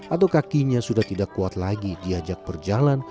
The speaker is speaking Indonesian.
atau kakinya sudah tidak kuat lagi diajak berjalan